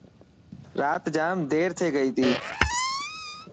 رات جام دير ٿي گئي تي.